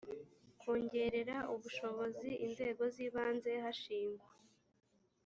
kongerera ubushobozi inzego z ibanze hashingwa